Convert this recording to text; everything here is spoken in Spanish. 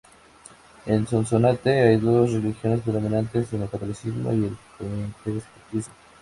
En Sonsonate hay dos religiones predominantes, el catolicismo y el protestantismo.